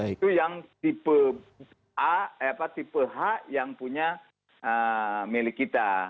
itu yang tipe a tipe h yang punya milik kita